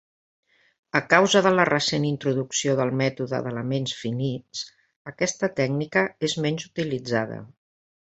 A causa de la recent introducció del mètode d'elements finits, aquesta tècnica és menys utilitzada.